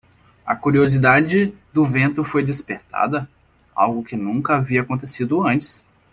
A curiosidade do vento foi despertada? algo que nunca havia acontecido antes.